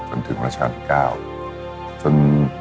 แต่ตอนเด็กก็รู้ว่าคนนี้คือพระเจ้าอยู่บัวของเรา